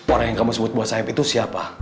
orang yang kamu sebut buat sayap itu siapa